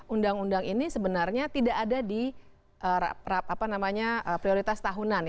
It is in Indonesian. undang undang ini sebenarnya tidak ada di prioritas tahunan